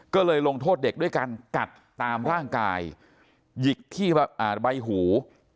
ก็เลยลงโทษเด็กด้วยการกัดตามร่างกายหยิกที่ใบหู